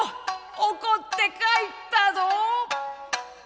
怒って帰ったぞ！」。